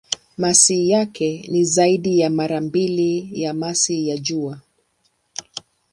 Masi yake ni zaidi ya mara mbili ya masi ya Jua.